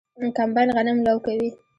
کمباین غنم لو کوي.